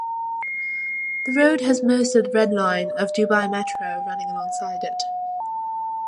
The road has most of the Red Line of Dubai Metro running alongside it.